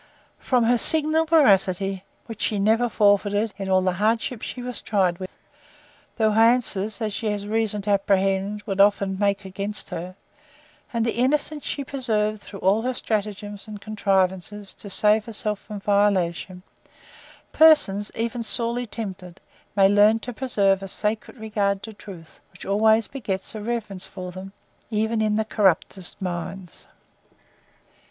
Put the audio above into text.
From her signal veracity, which she never forfeited, in all the hardships she was tried with, though her answers, as she had reason to apprehend, would often make against her; and the innocence she preserved throughout all her stratagems and contrivances to save herself from violation: Persons, even sorely tempted, may learn to preserve a sacred regard to truth; which always begets a reverence for them, even in the corruptest minds.